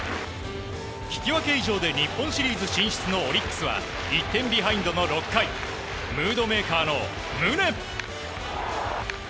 引き分け以上で日本シリーズ進出のオリックスは１点ビハインドの６回ムードメーカーの宗。